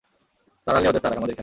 তাড়ালে ওদের তাড়াক, আমাদের কেন?